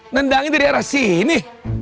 nendangin dari arah sini